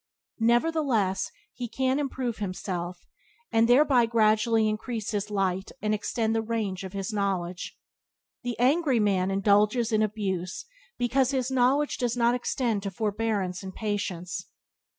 Nevertheless, he can improve himself, and thereby gradually increase his light and extend the range of his knowledge. The angry man indulgence in raillery and abuse because his knowledge does not extend to forbearance and patience.